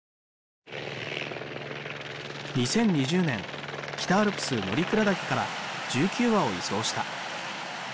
２０２０年北アルプス乗鞍岳から１９羽を移送した。